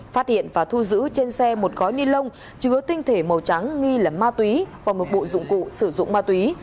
phát hiện và thu giữ trên xe một gói ni lông chứa tinh thể màu trắng nghi là ma túy và một bộ dụng cụ sử dụng ma túy